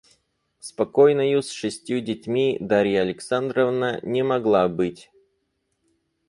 Спокойною с шестью детьми Дарья Александровна не могла быть.